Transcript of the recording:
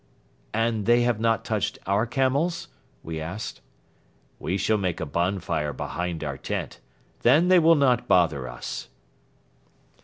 "And they have not touched our camels?" we asked. "We shall make a bonfire behind our tent; then they will not bother us."